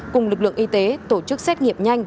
cùng lực lượng y tế tổ chức xét nghiệm nhanh